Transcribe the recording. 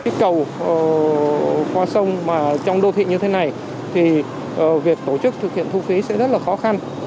cái cầu qua sông mà trong đô thị như thế này thì việc tổ chức thực hiện thu phí sẽ rất là khó khăn